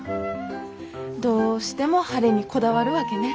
どうしても晴れにこだわるわけね。